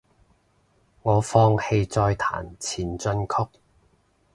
我放棄再彈前進曲